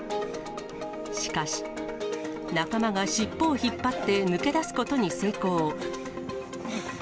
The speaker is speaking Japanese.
しかし、仲間が尻尾を引っ張って抜け出すことに成功。